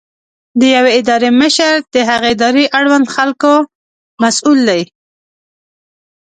د یوې ادارې مشر د هغې ادارې اړوند خلکو مسؤل دی.